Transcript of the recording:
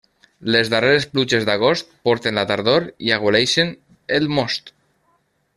Les darreres pluges d'agost porten la tardor i aigualeixen el most.